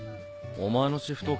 お前のシフト